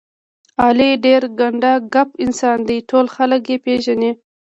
علي ډېر ګنډ کپ انسان دی، ټول خلک یې پېژني.